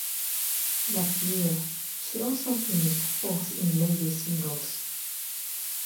That year, she also finished fourth in ladies' singles.